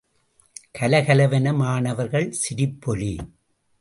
கலகலவென மாணவர்கள் சிரிப்பொலி.